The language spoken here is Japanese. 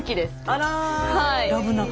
あら。